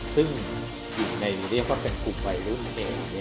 ซึ่งอยู่ในเรียกว่าเป็นกลุ่มวัยรุ่นนั่นเอง